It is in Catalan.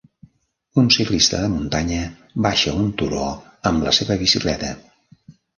Un ciclista de muntanya baixa un turó amb la seva bicicleta.